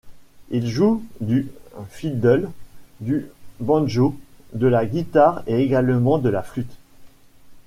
Il joue du fiddle, du banjo, de la guitare et également de la flûte.